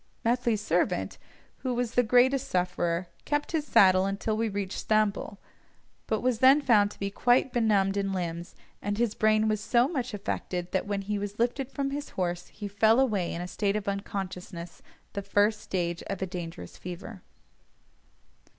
Methley's servant, who was the greatest sufferer, kept his saddle until we reached Stamboul, but was then found to be quite benumbed in limbs, and his brain was so much affected, that when he was lifted from his horse he fell away in a state of unconsciousness, the first stage of a dangerous fever.